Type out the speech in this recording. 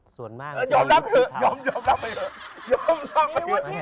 ส่วนมากกว่า